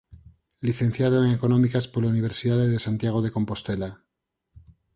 Licenciado en Económicas pola Universidade de Santiago de Compostela.